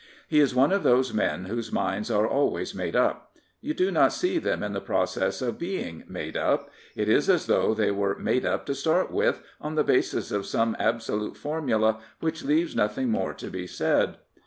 He is one of those men whose minds are always made up.'' You do not see them in the process of being made up.'' It is as though they were made up " to start with on the basis of some absolute formula which leaves nothing more to be said.